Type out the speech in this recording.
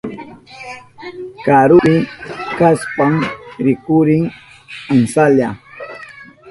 Karupi kashpan rikurin amsanlla.